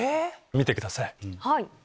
見てください。